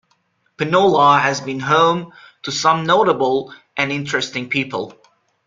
Penola has been home to some notable and interesting people.